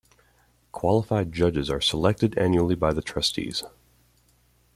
Qualified judges are selected annually by the Trustees.